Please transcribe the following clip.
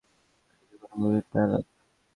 এটাকি কোনও মুভির ডায়ালগ?